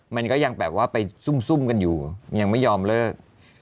มันก็ยังแบบว่าไปซุ่มกันอยู่ยังไม่ยอมเลิก